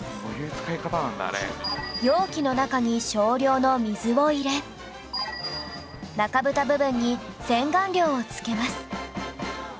容器の中に少量の水を入れ中ブタ部分に洗顔料をつけます